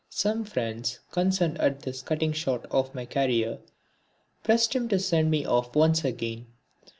Some friends concerned at this cutting short of my career pressed him to send me off once again.